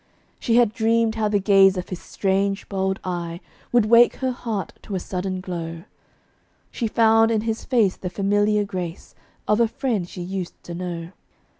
She had dreamed how the gaze of his strange, bold eye Would wake her heart to a sudden glow: She found in his face the familiar grace Of a friend she used to know.